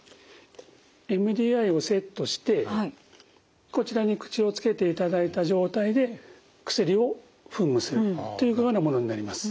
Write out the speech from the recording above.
ＭＤＩをセットしてこちらに口をつけていただいた状態で薬を噴霧するというようなものになります。